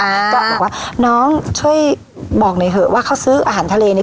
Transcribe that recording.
ก็บอกว่าน้องช่วยบอกหน่อยเถอะว่าเขาซื้ออาหารทะเลเนี่ย